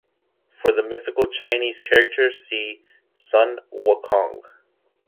For the mythical Chinese character, see Sun Wukong.